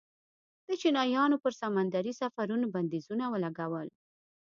د چینایانو پر سمندري سفرونو بندیزونه ولګول.